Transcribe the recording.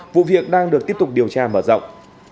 vụ việc đang được tiếp tục điều tra mở rộng